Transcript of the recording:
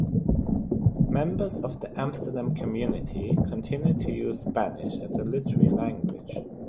Members of the Amsterdam community continued to use Spanish as a literary language.